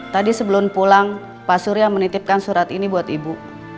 tadi sebelum pulang pak surya menitipkan surat ini buat ibu